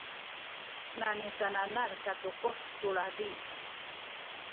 nanu sananal katukuh tu labi